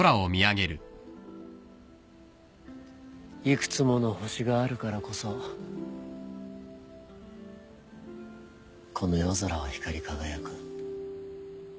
いくつもの星があるからこそこの夜空は光り輝く。